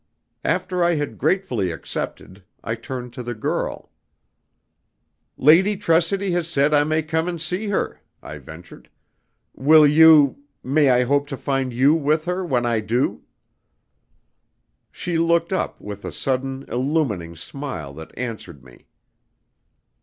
After I had gratefully accepted, I turned to the girl. "Lady Tressidy has said I may come and see her," I ventured. "Will you may I hope to find you with her when I do?" She looked up with a sudden, illumining smile that answered me.